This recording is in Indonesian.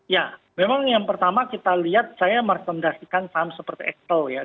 ya memang yang pertama kita lihat saya merekomendasikan saham seperti acto ya